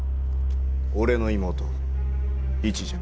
俺の妹市じゃ。